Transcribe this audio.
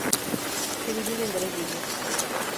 Se divide en tres libros.